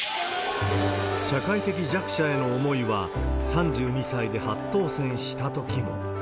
社会的弱者への思いは、３２歳で初当選したときも。